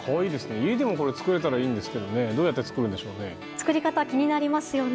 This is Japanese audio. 家でも作れたらいいんですけどどうやって作るんでしょうね。